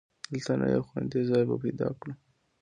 دلته نه، یو خوندي ځای به پیدا کړو.